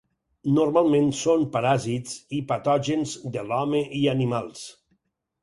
Normalment són paràsits i patògens de l'home i animals.